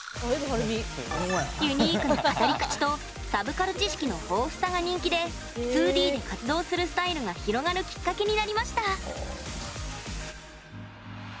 ユニークな語り口とサブカル知識の豊富さが人気で２Ｄで活動するスタイルが広がるきっかけになりました。